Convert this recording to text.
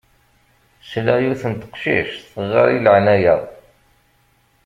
Sliɣ i yiwet n teqcict teɣɣar i leεnaya.